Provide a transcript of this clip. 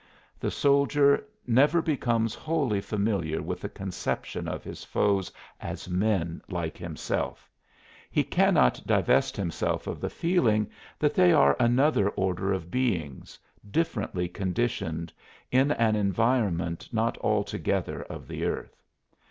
The soldier never becomes wholly familiar with the conception of his foes as men like himself; he cannot divest himself of the feeling that they are another order of beings, differently conditioned, in an environment not altogether of the earth.